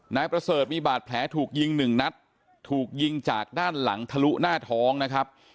นายประเสริฐมีบาดแผลถูกยิงหนึ่งนัดถูกยิงจากด้านหลังทะลุหน้าท้องนะครับ